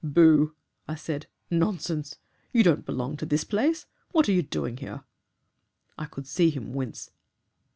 'Boo!' I said. 'Nonsense. You don't belong to THIS place. What are you doing here?' "I could see him wince.